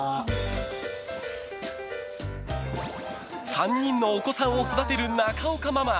３人のお子さんを育てる中岡ママ。